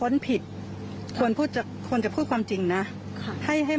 ไม่เชื่อค่ะไม่ใช่